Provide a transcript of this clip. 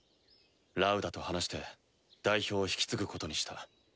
ラウダと話して代表を引き継ぐことにした。